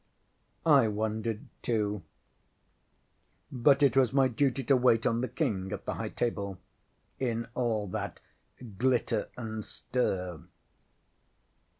ŌĆśI wondered too, but it was my duty to wait on the King at the High Table in all that glitter and stir.